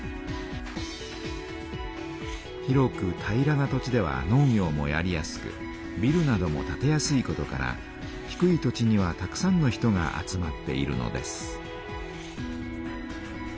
広く平らな土地では農業もやりやすくビルなども建てやすいことから低い土地にはたくさんの人が集まっているのです。